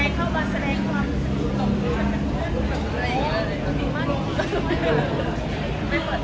ใครเข้ามาแสดงความสุขของคุณ